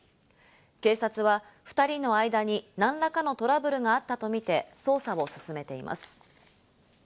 警察は２人の間に何らかのトラブルがあったとみて捜査を進めています。